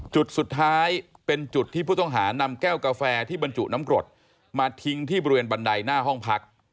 จุดสุดท้ายเป็นจุดที่ผู้ต้องหานำแก้วกาแฟที่บรรจุน้ำกรดมาทิ้งที่บริเวณบันไดหน้าห้องพัก